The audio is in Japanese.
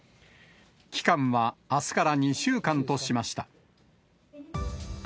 期間はあすから２週間としました。